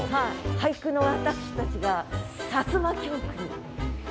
俳句の私たちがさつま狂句に。